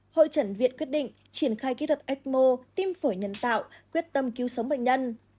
hội trần việt quyết định triển khai kỹ thuật ecmo tim phổi nhân tạo quyết tâm cứu sống bệnh nhân